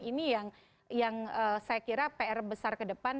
ini yang saya kira pr besar kedepan